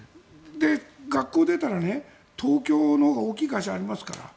学校を出たら東京のほうが大きい会社がありますから。